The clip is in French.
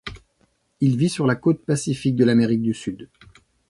Il vit sur la côte Pacifique de l'Amérique du Sud.